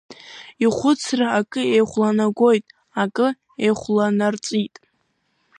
Ихәыцра акы еихәланагәеит, акы еихәланарҵәиит.